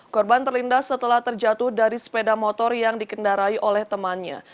korban terlindas setelah terjatuh dari sepeda motor yang dikendarai oleh temannya